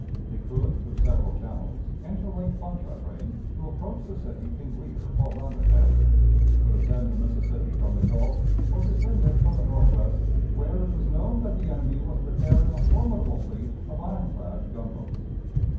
They could through several channels enter Lake Pontchartrain, to approach the city in rear for land attack, could ascend the Mississippi from the Gulf, or descend it from the Northwest, where it was known that the enemy was preparing a formidable fleet of iron clad gunboats.